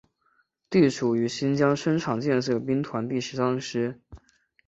隶属于新疆生产建设兵团第十三师。